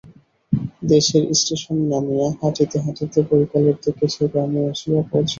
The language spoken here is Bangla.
দেশের স্টেশনে নামিয়া হ্যাঁটিতে হ্যাঁটিতে বৈকালের দিকে সে গ্রামে আসিয়া পৌঁছিল।